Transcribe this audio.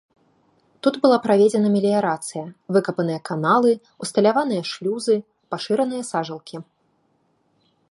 Тут была праведзена меліярацыя, выкапаныя каналы, усталяваныя шлюзы, пашыраныя сажалкі.